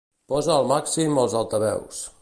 Posa al màxim els altaveus.